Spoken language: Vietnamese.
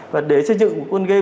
và để xây dựng